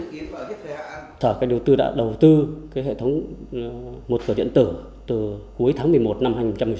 sở kế hoạch đầu tư đã đầu tư hệ thống một cửa điện tử từ cuối tháng một mươi một năm hai nghìn một mươi chín